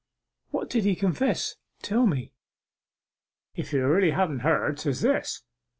'What did he confess? Tell me.' 'If you really ha'n't heard, 'tis this.